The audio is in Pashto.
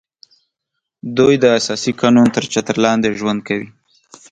دوی د اساسي قانون تر چتر لاندې ژوند کوي